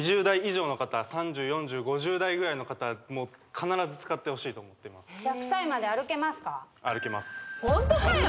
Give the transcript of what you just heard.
２０代以上の方３０４０５０代ぐらいの方必ず使ってほしいと思っています